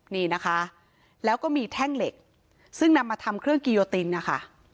นี่นะคะแล้วก็มีแท่งเหล็กซึ่งนำมาทำเครื่องกิโยตินนะคะ